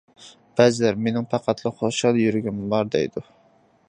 بەزىلەر «مېنىڭ پەقەتلا خۇشال يۈرگۈم بار» ، دەيدۇ.